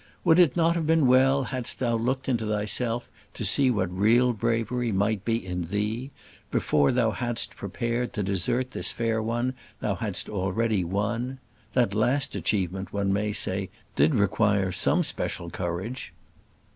Would it not have been well hadst thou looked into thyself to see what real bravery might be in thee, before thou hadst prepared to desert this fair one thou hadst already won? That last achievement, one may say, did require some special courage.